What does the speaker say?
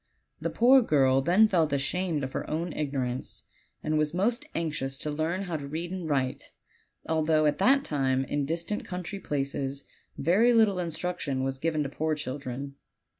The poor girl then felt ashamed of her own ignorance, and was most anxious to learn how to read and write, although at that time in distant country places very little instruction was given to poor children.